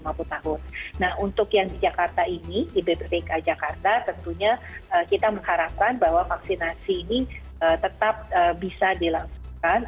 nah untuk yang di jakarta ini di bppk jakarta tentunya kita mengharapkan bahwa vaksinasi ini tetap bisa dilangsungkan